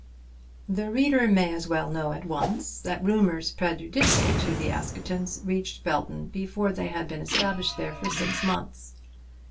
The reader may as well know at once that rumours prejudicial to the Askertons reached Belton before they had been established there for six months.